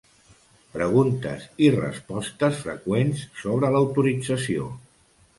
Preguntes i respostes freqüents sobre l'autorització.